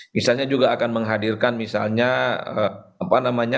misalnya juga akan menghadirkan misalnya apa namanya